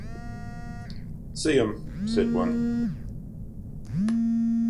'See 'em,' said one.